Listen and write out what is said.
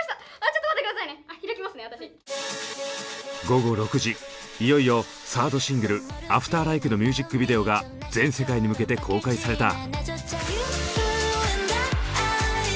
午後６時いよいよサードシングル「ＡｆｔｅｒＬＩＫＥ」のミュージックビデオが全世界に向けて公開された。